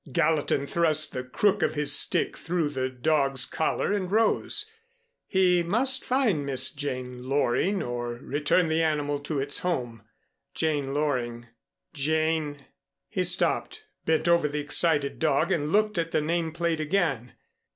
Gallatin thrust the crook of his stick through the dog's collar and rose. He must find Miss Jane Loring or return the animal to its home. Jane Loring? Jane ? He stopped, bent over the excited dog and looked at the name plate again.